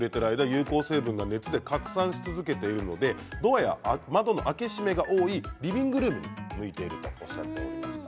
有効成分が熱で拡散し続けているのでドアや窓の開け閉めが多いリビングルームなどに向いているとおっしゃっていました。